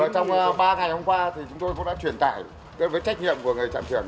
trong ba ngày hôm qua thì chúng tôi cũng đã truyền tải với trách nhiệm của người trạm trưởng